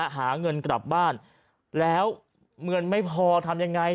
หาเงินกลับบ้านแล้วเงินไม่พอทำยังไง